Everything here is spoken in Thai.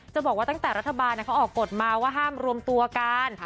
บอกว่าตั้งแต่รัฐบาลเขาออกกฎมาว่าห้ามรวมตัวกัน